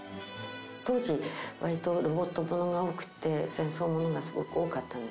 当時割とロボットものが多くて戦争ものがスゴく多かったんですね。